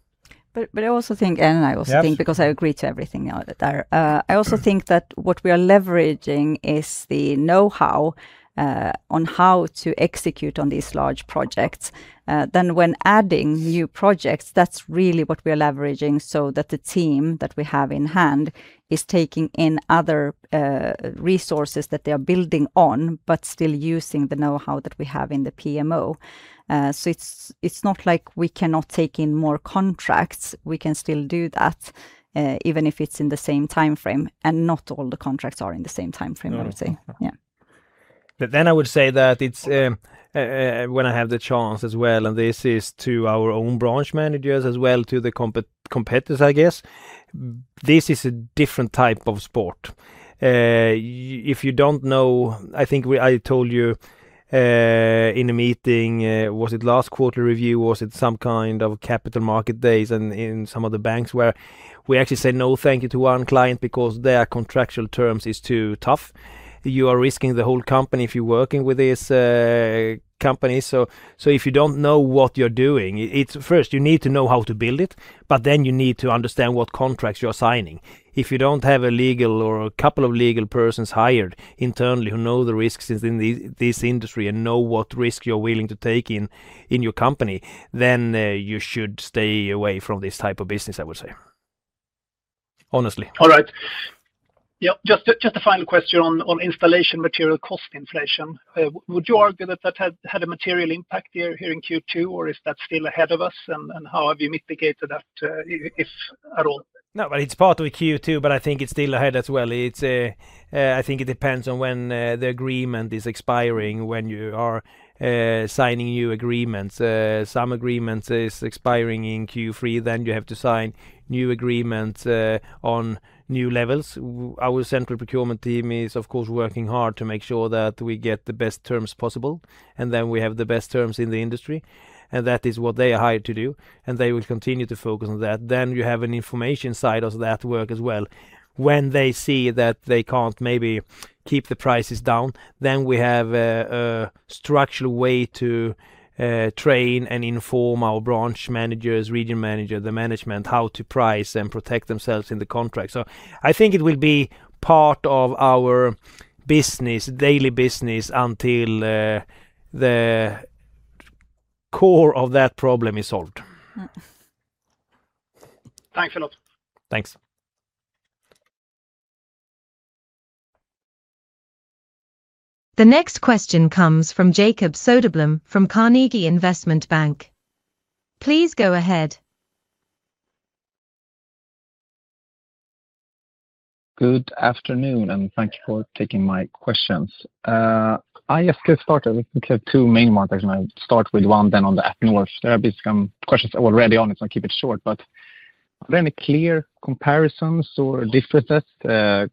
I also think, I also think because I agree to everything now that I also think that what we are leveraging is the know-how on how to execute on these large projects. When adding new projects, that's really what we are leveraging, so that the team that we have in hand is taking in other resources that they are building on, but still using the know-how that we have in the PMO. It's not like we cannot take in more contracts. We can still do that, even if it's in the same timeframe, and not all the contracts are in the same timeframe, I would say. Yeah. I would say that it's when I have the chance as well, this is to our own branch managers as well, to the competitors, I guess. This is a different type of sport. If you don't know, I think I told you in a meeting, was it last quarter review, was it some kind of capital market days and in some of the banks where we actually said, No, thank you, to one client because their contractual terms is too tough. You are risking the whole company if you're working with this company. If you don't know what you're doing, first, you need to know how to build it, but then you need to understand what contracts you're signing. If you don't have a legal or a couple of legal persons hired internally who know the risks in this industry and know what risk you're willing to take in your company, then you should stay away from this type of business, I would say. Honestly. All right. Yep. Just a final question on installation material cost inflation. Would you argue that that had a material impact here in Q2, or is that still ahead of us? How have you mitigated that, if at all? It's part of Q2, but I think it's still ahead as well. I think it depends on when the agreement is expiring, when you are signing new agreements. Some agreements is expiring in Q3, then you have to sign new agreements on new levels. Our central procurement team is, of course, working hard to make sure that we get the best terms possible, and then we have the best terms in the industry, and that is what they are hired to do, and they will continue to focus on that. You have an information side of that work as well. When they see that they can't maybe keep the prices down, then we have a structural way to train and inform our branch managers, region manager, the management, how to price and protect themselves in the contract. I think it will be part of our daily business until the core of that problem is solved. Thanks a lot. Thanks. The next question comes from Jakob Söderblom from Carnegie Investment Bank. Please go ahead. Good afternoon, and thank you for taking my questions. I guess could start, I think you have two main markers, and I'll start with one then on the. There are some questions already on it, so I'll keep it short. Are there any clear comparisons or differences,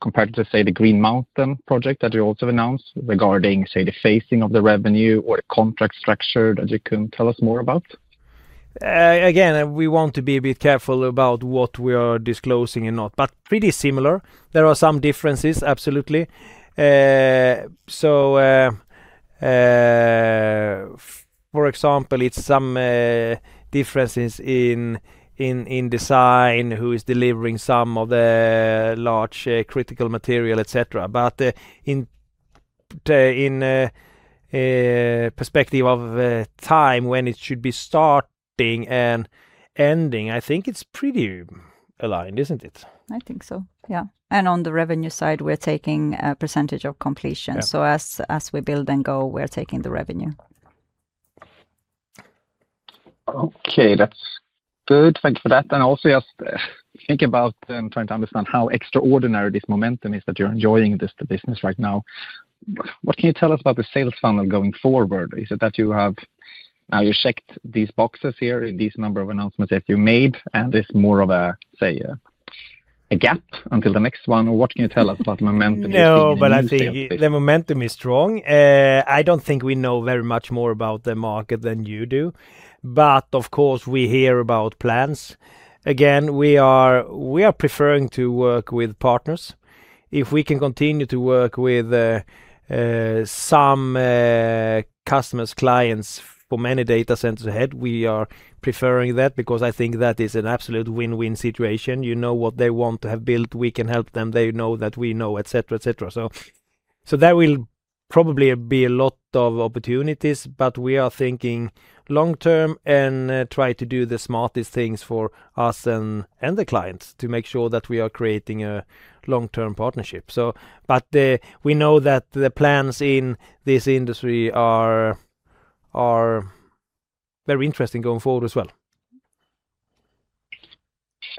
compared to, say, the Green Mountain project that you also announced regarding, say, the phasing of the revenue or the contract structure that you can tell us more about? Again, we want to be a bit careful about what we are disclosing and not, but pretty similar. There are some differences, absolutely. For example, it's some differences in design, who is delivering some of the large critical material, et cetera. In perspective of time when it should be starting and ending, I think it's pretty aligned, isn't it? I think so, yeah. On the revenue side, we're taking a percentage of completion. Yeah. As we build and go, we're taking the revenue. Okay. That's good. Thank you for that. Also just think about and trying to understand how extraordinary this momentum is that you're enjoying this business right now. What can you tell us about the sales funnel going forward? Is it that you have now checked these boxes here, these number of announcements that you made, and it's more of a gap until the next one, or what can you tell us about momentum is being maintained? I think the momentum is strong. I don't think we know very much more about the market than you do, of course, we hear about plans. Again, we are preferring to work with partners. If we can continue to work with some customers, clients for many data centers ahead, we are preferring that because I think that is an absolute win-win situation. You know what they want to have built, we can help them. They know that we know, et cetera. That will probably be a lot of opportunities, but we are thinking long term and try to do the smartest things for us and the clients to make sure that we are creating a long-term partnership. We know that the plans in this industry are very interesting going forward as well.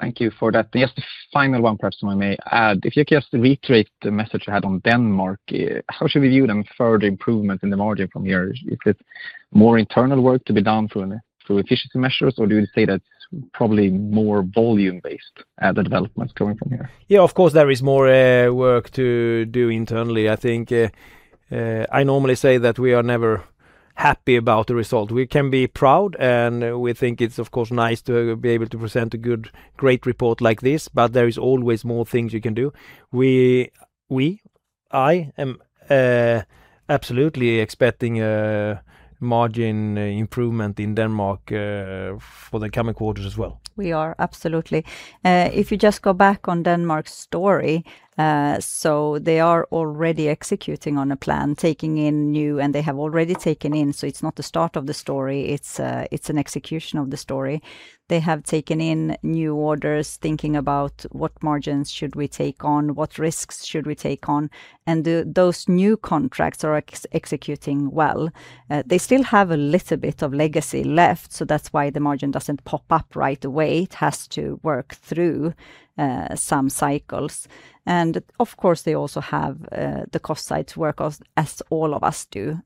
Thank you for that. Just a final one question I may add. If you could just reiterate the message you had on Denmark, how should we view the further improvement in the margin from here? Is it more internal work to be done through efficiency measures, or do you say that's probably more volume-based, the development coming from here? Of course, there is more work to do internally. I normally say that we are never happy about the result. We can be proud, we think it's of course nice to be able to present a great report like this, there is always more things you can do. We, I am absolutely expecting a margin improvement in Denmark for the coming quarters as well. We are absolutely. If you just go back on Denmark's story, they are already executing on a plan, taking in new, and they have already taken in. It's not the start of the story. It's an execution of the story. They have taken in new orders, thinking about what margins should we take on, what risks should we take on, and those new contracts are executing well. They still have a little bit of legacy left, so that's why the margin doesn't pop up right away. It has to work through some cycles. Of course, they also have the cost side to work on, as all of us do,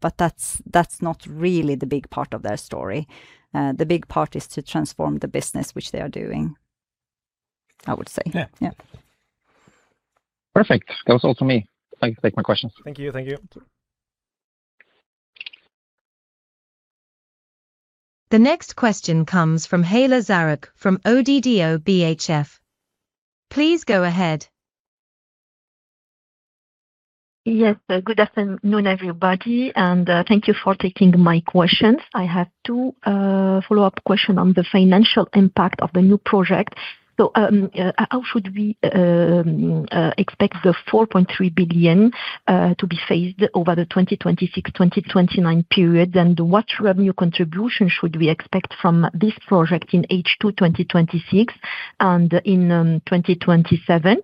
but that's not really the big part of their story. The big part is to transform the business, which they are doing, I would say. Yeah. Yeah. Perfect. That was all for me. Thank you for taking my questions. Thank you. Thank you. The next question comes from Héla Zarrouk from ODDO BHF. Please go ahead. Yes. Good afternoon, everybody, and thank you for taking my questions. I have two follow-up question on the financial impact of the new project. How should we expect the 4.3 billion to be phased over the 2026, 2029 period? What revenue contribution should we expect from this project in H2 2026 and in 2027?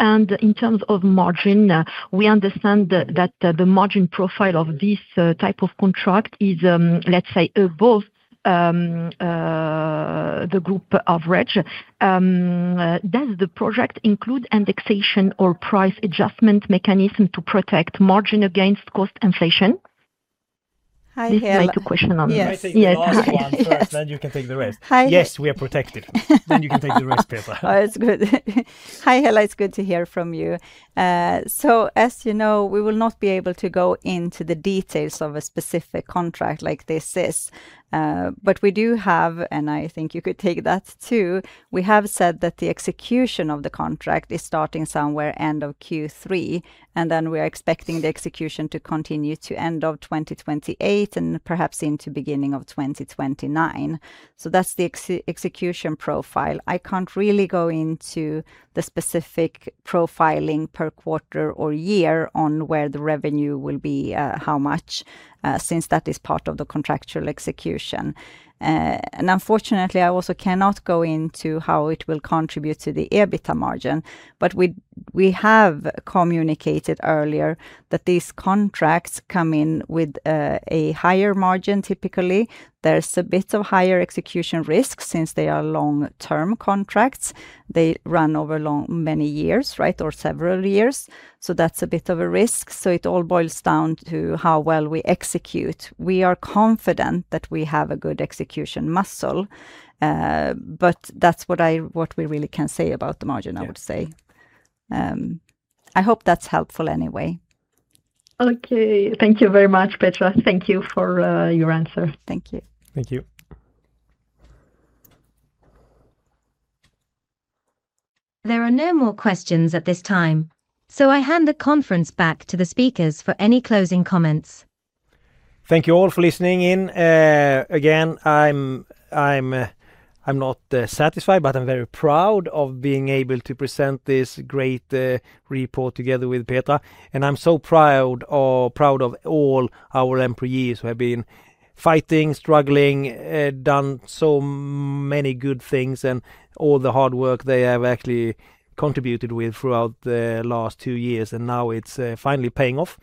In terms of margin, we understand that the margin profile of this type of contract is, let's say, above the group average. Does the project include indexation or price adjustment mechanism to protect margin against cost inflation? Hi, Héla. This is my two question on that. I'll take the last one first. Yes. Yes. Hi. You can take the rest. Hi. Yes, we are protected. You can take the rest, Petra. It's good. Hi, Héla. It's good to hear from you. As you know, we will not be able to go into the details of a specific contract like this. We do have, and I think you could take that, too, we have said that the execution of the contract is starting somewhere end of Q3, we are expecting the execution to continue to end of 2028 and perhaps into beginning of 2029. That's the execution profile. I can't really go into the specific profiling per quarter or year on where the revenue will be, how much, since that is part of the contractual execution. Unfortunately, I also cannot go into how it will contribute to the EBITDA margin. We have communicated earlier that these contracts come in with a higher margin typically. There's a bit of higher execution risk since they are long-term contracts. They run over many years or several years. That's a bit of a risk. It all boils down to how well we execute. We are confident that we have a good execution muscle. That's what we really can say about the margin, I would say. I hope that's helpful anyway. Okay. Thank you very much, Petra. Thank you for your answer. Thank you. Thank you. There are no more questions at this time, so I hand the conference back to the speakers for any closing comments. Thank you all for listening in. Again, I am not satisfied, but I am very proud of being able to present this great report together with Petra, and I am so proud of all our employees who have been fighting, struggling, done so many good things, and all the hard work they have actually contributed with throughout the last two years, and now it is finally paying off.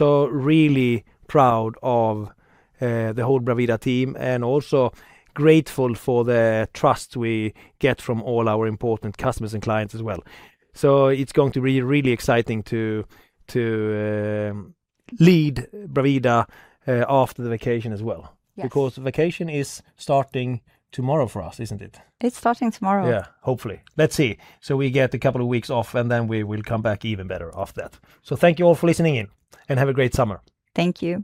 Really proud of the whole Bravida team and also grateful for the trust we get from all our important customers and clients as well. It is going to be really exciting to lead Bravida after the vacation as well. Yes. Because vacation is starting tomorrow for us, isn't it? It is starting tomorrow. Yeah, hopefully. Let's see. We get a couple of weeks off, and then we will come back even better after that. Thank you all for listening in, and have a great summer. Thank you.